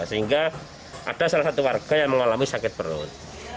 sehingga ada salah satu warga yang mengalami sakit perut